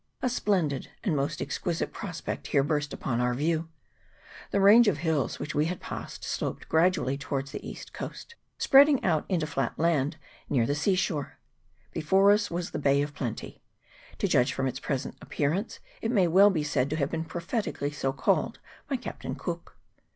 A splendid and most extensive pro spect here burst upon our view : the range of hills which we had passed sloped gradually towards the east coast, spreading out into flat land near the sea shore. Before us was the Bay of Plenty : to judge from its present appearance, it may well be said to have been prophetically so called by Captain Cook.